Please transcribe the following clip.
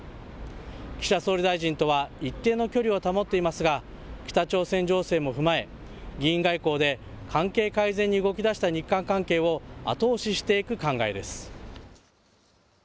岸田総理大臣とは一定の距離を保っていますが、北朝鮮情勢も踏まえ、議員外交で関係改善に動きだした日韓関係を後押ししていく考えです。